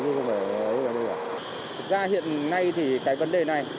thực ra hiện nay thì cái vấn đề này